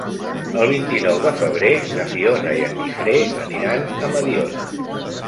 El vint-i-nou de febrer na Fiona i en Guifré aniran a Mediona.